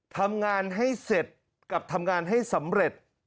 ทำงานให้เสร็จกับทำงานให้สำเร็จ